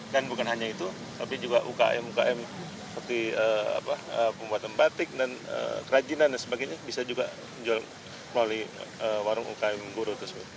dan bukan hanya itu tapi juga ukm ukm seperti pembuatan batik dan kerajinan dan sebagainya bisa juga dijual melalui warung ukm guru